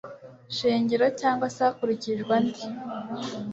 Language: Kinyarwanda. shingiro cyangwa se hakurikijwe andi